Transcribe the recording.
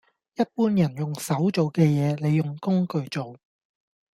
一般人用手做嘅嘢，你用工具做